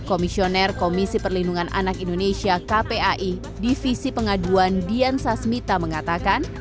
komisioner komisi perlindungan anak indonesia kpai divisi pengaduan dian sasmita mengatakan